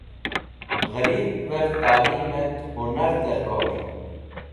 Ghẽrebvẽr talimet hũnar dẽrkor.